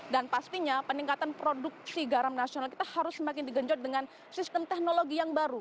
dan pastinya peningkatan produksi garam nasional kita harus semakin digenjot dengan sistem teknologi yang baru